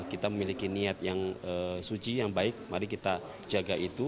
kita memiliki niat yang suci yang baik mari kita jaga itu